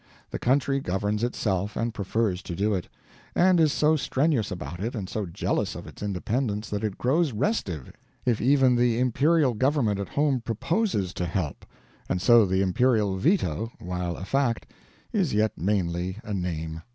The country governs itself, and prefers to do it; and is so strenuous about it and so jealous of its independence that it grows restive if even the Imperial Government at home proposes to help; and so the Imperial veto, while a fact, is yet mainly a name.